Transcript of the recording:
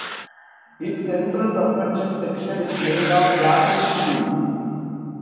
Its central suspension section is made of Japanese steel.